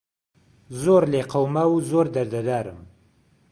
زۆر لێ قهوماو و زۆر دهردهدارم